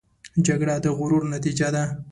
جګړه د غرور نتیجه ده